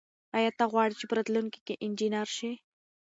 آیا ته غواړې چې په راتلونکي کې انجنیر شې؟